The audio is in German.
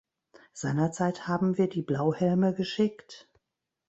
Seinerzeit haben wir die Blauhelme geschickt.